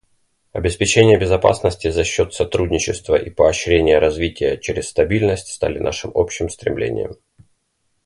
Обеспечение безопасности за счет сотрудничества и поощрение развития через стабильность стали нашим общим стремлением.